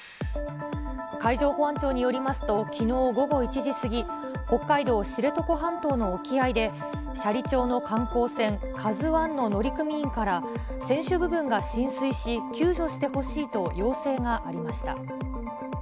海上保安庁によりますと、きのう午後１時過ぎ、北海道知床半島の沖合で、斜里町の観光船、カズ１の乗組員から、船首部分が浸水し、救助してほしいと要請がありました。